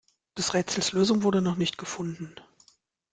Des Rätsels Lösung wurde noch nicht gefunden.